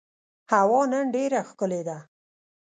هوا نن ډېره ښکلې ده.